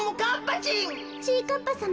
ちぃかっぱさま。